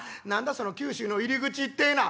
その九州の入り口ってえのは」。